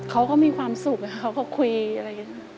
เขาก็มีความสุขเขาก็คุยอะไรอย่างนี้